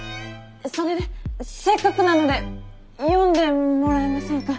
それでせっかくなので読んでもらえませんか？